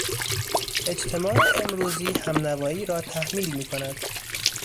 اجتماع امروزی همنوایی را تحمیل میکند.